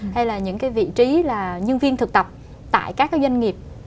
hay là những cái vị trí là nhân viên thực tập tại các doanh nghiệp